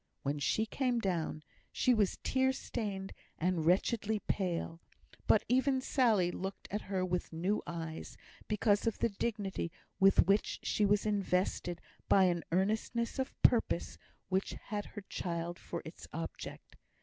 When she came down, she was tear stained and wretchedly pale; but even Sally looked at her with new eyes, because of the dignity with which she was invested by an earnestness of purpose which had her child for its object.